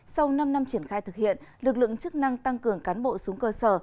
sau năm năm triển khai thực hiện lực lượng chức năng tăng cường cán bộ xuống cơ sở